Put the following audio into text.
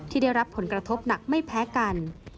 ได้รับผลกระทบหนักไม่แพ้กัน